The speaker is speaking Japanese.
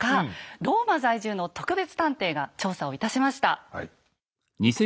ローマ在住の特別探偵が調査をいたしました。